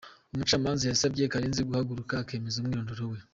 Umucamanza yasabye Karenzi guhaguruka akemeza umwirondoro we.